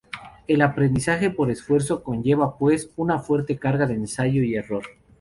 El aprendizaje por refuerzo conlleva pues, una fuerte carga de ensayo y error.